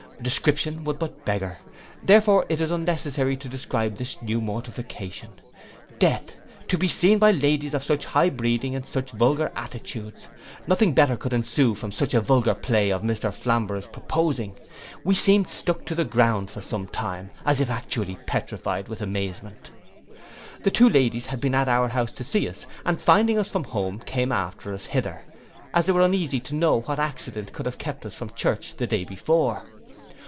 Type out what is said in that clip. Description would but beggar, therefore it is unnecessary to describe this new mortification. Death! To be seen by ladies of such high breeding in such vulgar attitudes! Nothing better could ensue from such a vulgar play of Mr Flamborough's proposing. We seemed stuck to the ground for some time, as if actually petrified with amazement. The two ladies had been at our house to see us, and finding us from home, came after us hither, as they were uneasy to know what accident could have kept us from church the day before.